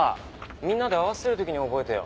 みんなで合わせるときに覚えてよ。